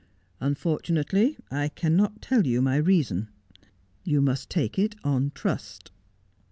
' Unfortunately I cannot tell you my reason. You must take it on trust.'